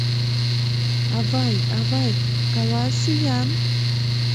— Авай, авай, каласе-ян: